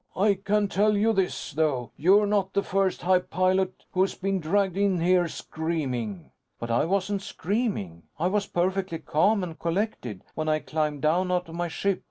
I can tell you this, though. You're not the first hype pilot who's been dragged in here screaming." "But I wasn't screaming! I was perfectly calm and collected, when I climbed down out of my ship.